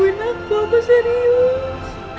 ma tapi serius